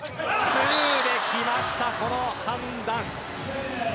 ツーできました、この判断。